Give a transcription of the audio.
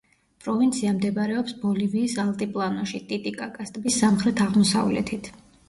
პროვინცია მდებარეობს ბოლივიის ალტიპლანოში, ტიტიკაკას ტბის სამხრეთ-აღმოსავლეთით.